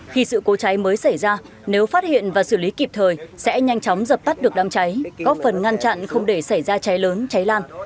khi sự cố cháy mới xảy ra nếu phát hiện và xử lý kịp thời sẽ nhanh chóng dập tắt được đám cháy góp phần ngăn chặn không để xảy ra cháy lớn cháy lan